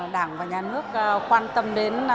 đảng và nhà nước quan tâm đến